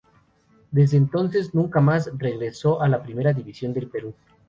Desde entonces nunca más regresó a la Primera División del Perú.